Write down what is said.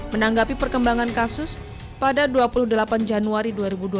menanggapi perkembangan kasus pada dua puluh delapan januari dua ribu dua puluh